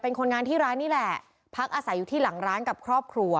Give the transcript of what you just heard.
เป็นคนงานที่ร้านนี่แหละพักอาศัยอยู่ที่หลังร้านกับครอบครัว